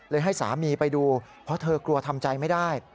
ให้สามีไปดูเพราะเธอกลัวทำใจไม่ได้